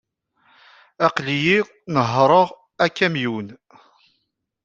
Aql-iyi nehhṛeɣ akamyun.